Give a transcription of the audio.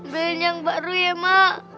band yang baru ya mak